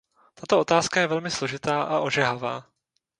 Tato otázka je velmi složitá a ožehavá.